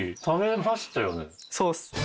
そう。